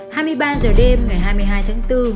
hai mươi ba h đêm ngày hai mươi hai tháng bốn